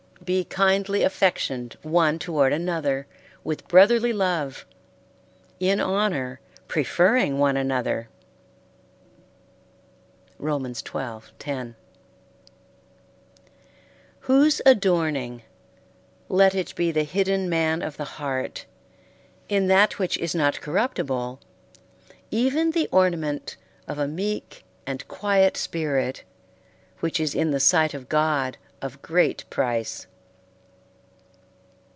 Be kindly affectioned one toward another with brotherly love, in honor preferring one another. Rom. xii. 10. Whose adorning ... let it be the hidden man of the heart, in that which is not corruptible, even the ornament of a meek and quiet spirit which is in the sight of God of great price.